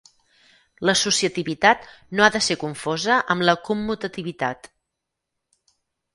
L'associativitat no ha de ser confosa amb la commutativitat.